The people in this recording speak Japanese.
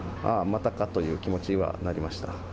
ああ、またかという気持ちにはなりました。